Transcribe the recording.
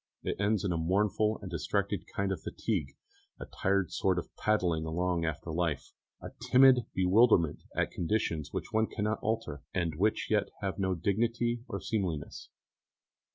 It ends in a mournful and distracted kind of fatigue, a tired sort of padding along after life, a timid bewilderment at conditions which one cannot alter, and which yet have no dignity or seemliness.